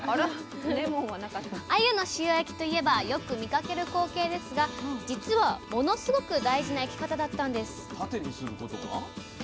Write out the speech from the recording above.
あゆの塩焼きといえばよく見かける光景ですが実はものすごく大事な焼き方だったんです！